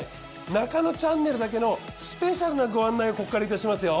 『ナカノチャンネル』だけのスペシャルなご案内をここからいたしますよ。